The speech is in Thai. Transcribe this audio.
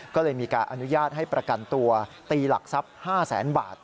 ก็เลยมีการอนุญาตให้ประกันตัวตีหลักทรัพย์๕แสนบาท